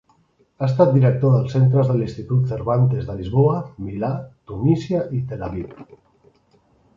Ha estat director dels centres de l'Institut Cervantes de Lisboa, Milà, Tunísia i Tel Aviv.